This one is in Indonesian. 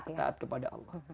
dekat kepada allah